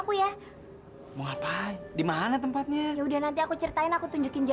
sampai jumpa di video selanjutnya